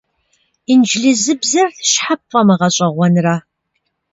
Инджылызыбзэр щхьэ пфӀэмыгъэщӀэгъуэнрэ?